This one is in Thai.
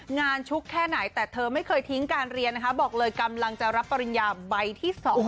งานชุกแค่ไหนแต่ไม่เคยทิ้งการเรียนบอกเลยกำลังจะรับตามปริญญาใบที่สองแล้วค่ะ